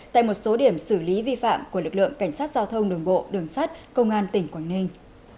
tại một số điểm xử lý vi phạm của lực lượng cảnh sát giao thông đường bộ đường sắt công an tỉnh quảng ninh